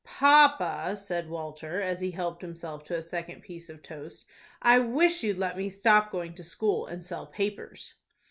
"Pa pa," said Walter, as he helped himself to a second piece of toast, "I wish you'd let me stop going to school, and sell papers."